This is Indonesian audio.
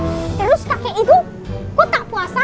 terus kakek itu kok tak puasa